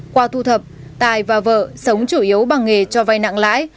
qua thu thập tài và vợ sống chủ yếu bằng nghề cho vay nặng lãi